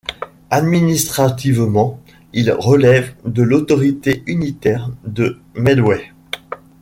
Administrativement, il relève de l'autorité unitaire de Medway.